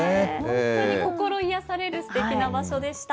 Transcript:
本当に心癒やされるすてきな場所でした。